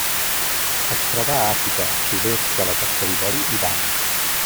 Es troba a Àfrica: sud-est de la Costa d'Ivori i Ghana.